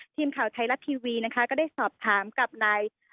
ทีมข่าวไทยรัฐทีวีนะคะก็ได้สอบถามกับนาย